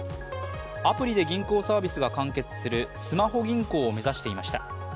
アプリで銀行サービスが完結するスマホ銀行を目指していました。